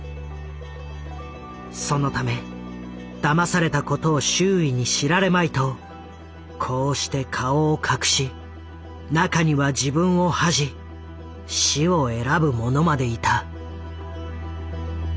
そのためだまされたことを周囲に知られまいとこうして顔を隠し中には自分を恥じ死を選ぶ者までいた。